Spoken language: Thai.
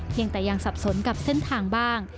ยังแต่ยังสับสนกับเส้นทางบ้าง